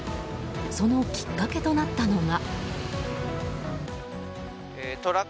そのきっかけとなったのが。